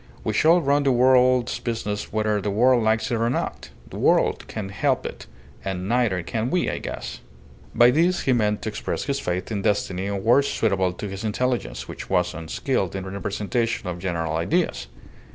We shall run the world's business whether the world likes it or not. The world can't help it and neither can we, I guess." By this he meant to express his faith in destiny in words suitable to his intelligence, which was unskilled in the presentation of general ideas.